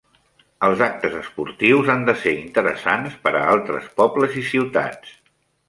Els actes esportius han de ser interessants per a altres pobles i ciutats.